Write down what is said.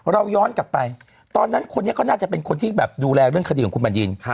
ย้อนกลับไปตอนนั้นคนนี้ก็น่าจะเป็นคนที่แบบดูแลเรื่องคดีของคุณบัญญิน